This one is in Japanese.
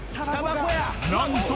［何と］